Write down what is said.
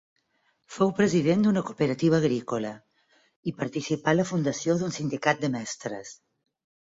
Fou president d'una cooperativa agrícola i participà en la fundació d'un sindicat de mestres.